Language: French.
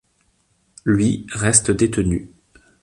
Lui reste détenu.